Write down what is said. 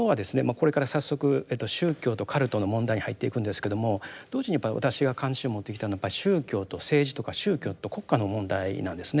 これから早速宗教とカルトの問題に入っていくんですけども同時にやっぱり私が関心を持ってきたのは宗教と政治とか宗教と国家の問題なんですね。